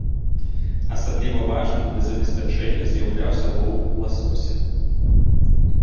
Асабліва важным для забеспячэння з'яўляўся лоў ласося.